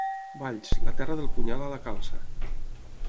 Valls, la terra del punyal a la calça.